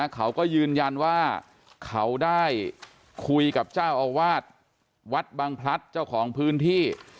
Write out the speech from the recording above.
เขาก็ยืนยันว่าเขาได้คุยกับเจ้าอาวาสวัดบังพลัดเจ้าของพื้นที่